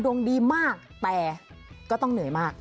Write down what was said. ดวงดีมากแต่ก็ต้องเหนื่อยมาก